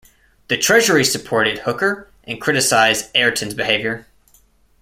The Treasury supported Hooker and criticised Ayrton's behaviour.